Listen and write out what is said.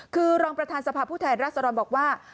คือรองประธานสภาพผู้แทนรัศดรบอกว่า